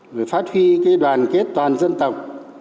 rồi phát huy cái đoàn kết toàn dân tộc